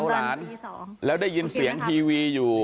หลานแล้วได้ยินเสียงทีวีอยู่